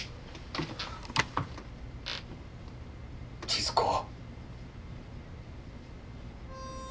千鶴子。